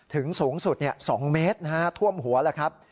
ถึงสูงสุด๒เมตรท่วมหัวแล้วครับ